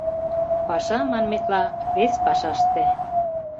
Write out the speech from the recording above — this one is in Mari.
Паша, манметла, вес пашаште.